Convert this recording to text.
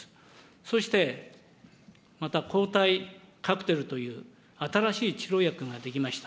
そして、また抗体カクテルという、新しい治療薬ができました。